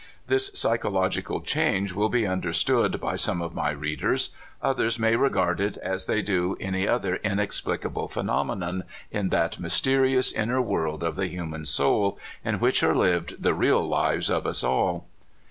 This psychological change will be understood by some of my readers ; others may regard it as they do any other inexplicable phenomenon in that mysterious inner world of the human soul, in which are lived the real lives of us all.